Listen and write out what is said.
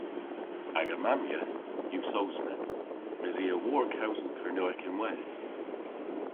Aga mammyeth yw Sowsnek, mes i a wor kewsel Kernewek ynwedh.